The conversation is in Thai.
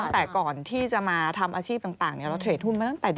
เพราะตรวจตรงนี้ต้อง